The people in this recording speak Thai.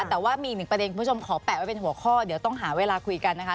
แต่ว่ามีอีกหนึ่งประเด็นคุณผู้ชมขอแปะไว้เป็นหัวข้อเดี๋ยวต้องหาเวลาคุยกันนะคะ